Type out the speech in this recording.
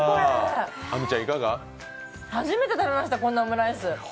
初めて食べました、こんなオムライス。